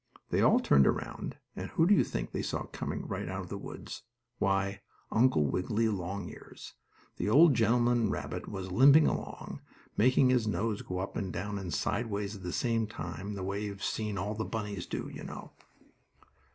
They all turned around, and whom do you think they saw coming right out of the woods? Why, Uncle Wiggily Longears! The old gentleman rabbit was limping along, making his nose go up and down and sideways at the same time, the way you have seen all the bunnies do, you know.